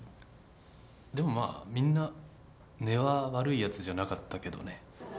でもまあみんな根は悪いやつじゃなかったけどね。